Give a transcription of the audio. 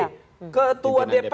wakil ketua dpd